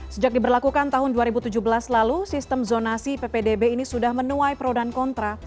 sejak diberlakukan tahun dua ribu tujuh belas lalu sistem zonasi ppdb ini sudah menuai pro dan kontra